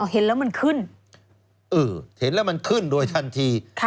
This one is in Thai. เห็นแล้วมันขึ้นเออเห็นแล้วมันขึ้นโดยทันที